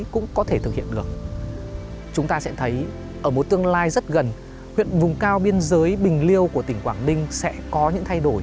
chúng ta sẽ thấy ở một tương lai rất gần